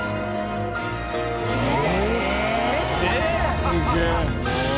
「すげえ！」